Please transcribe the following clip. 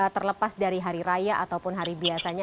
terlepas dari hari raya ataupun hari biasanya